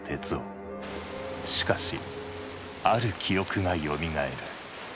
しかしある記憶がよみがえる。